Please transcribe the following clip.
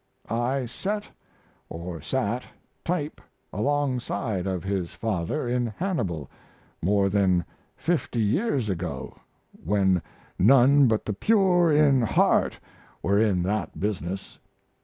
I set (or sat) type alongside of his father, in Hannibal, more than 50 years ago, when none but the pure in heart were in that business.